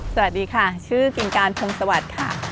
สวัสดีค่ะชื่อกินการพรุ่งสวัสดิ์ค่ะ